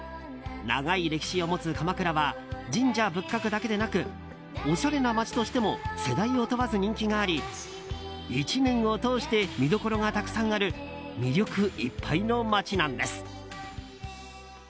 長い歴史を持つ鎌倉は神社仏閣だけでなくおしゃれな街としても世代を問わず人気があり１年を通して見どころがたくさんある魅力いっぱいの街なんです。